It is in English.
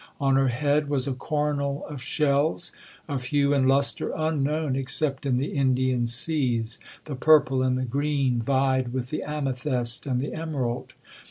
On her head was a coronal of shells, of hue and lustre unknown except in the Indian seas—the purple and the green vied with the amethyst, and the emerald.